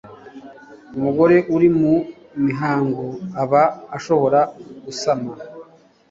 umugore uri mu mihango aba ashobora gusama